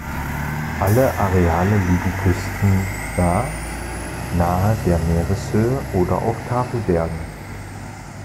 Alle Areale liegen küstennah nahe der Meereshöhe oder auf Tafelbergen.